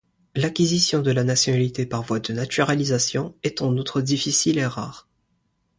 L'acquisition de la nationalité par voie de naturalisation est en outre difficile et rare.